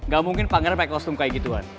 gak mungkin pangeran pakai kostum kayak gituan